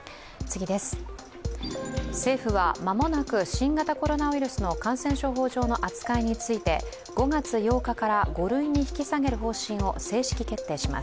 政府は間もなく新型コロナウイルスの感染症法上の扱いについて５月８日から５類に引き下げる方針を正式に決定します。